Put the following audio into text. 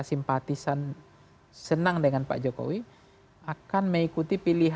jadi katakanlah untuk orang orang ini pertama kali menemukaniphotic